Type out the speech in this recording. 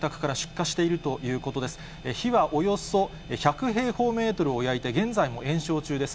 火はおよそ１００平方メートルを焼いて現在も延焼中です。